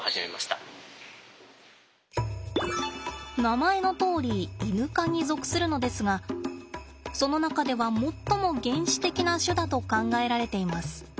名前のとおりイヌ科に属するのですがその中では最も原始的な種だと考えられています。